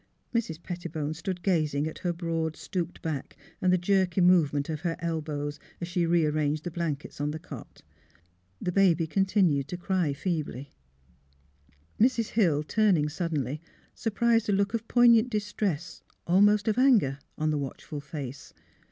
Mrs. Pettibone stood gazing at her broad stooped back and the jerky move SYLVIA'S CHILD 281 ment of her elbows as she rearranged the blan kets on the cot. The baby continued to cry feebly. Mrs. Hill, turning suddenly, surprised a look of poignant distress, almost of anger, on the watchful face.